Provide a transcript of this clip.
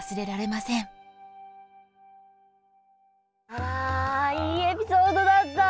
わいいエピソードだった。